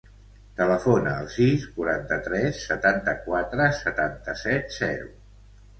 Telefona al sis, quaranta-tres, setanta-quatre, setanta-set, zero.